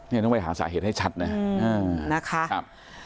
นี่ต้องไปหาสาเหตุให้ชัดนะอืมนะคะครับ